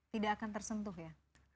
tidak akan tersentuh ya